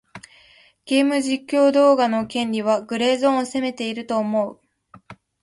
ゲーム実況動画の権利はグレーゾーンを攻めていると思う。